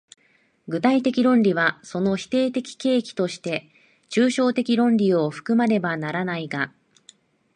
具体的論理はその否定的契機として抽象的論理を含まねばならないが、